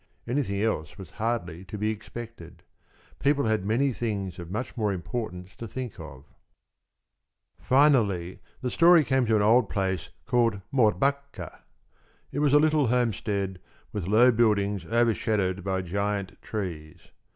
Anything else was hardly to be expected. People had many things of much more importance to think of. Finally the story came to an old place called Mårbacka. It was a little homestead, with low buildings overshadowed by giant trees.